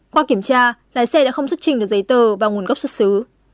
qua kiểm tra lái xe đã không xuất trình được giấy tờ và nguồn gốc xuất xứ